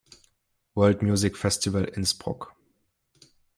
World Music Festival Innsbruck.